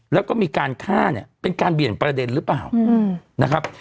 แล้วก็มีการฆ่าเนี่ยเป็นการเบี่ยงประเด็นหรือเปล่านะครับ